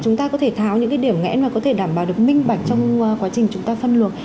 chúng ta có thể tháo những điểm nghẽn mà có thể đảm bảo được minh bạch trong quá trình chúng ta phân luồng